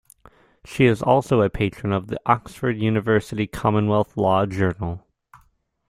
She is also a patron of the Oxford University Commonwealth Law Journal.